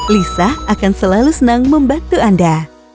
lisa akan selalu senang membantu anda